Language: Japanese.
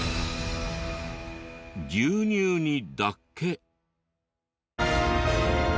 牛乳にだけ。